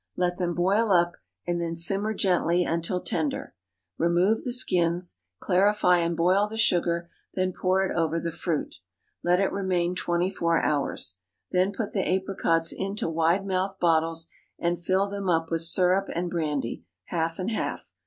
Let them boil up, and then simmer gently until tender. Remove the skins. Clarify and boil the sugar, then pour it over the fruit. Let it remain twenty four hours. Then put the apricots into wide mouthed bottles, and fill them up with syrup and brandy, half and half.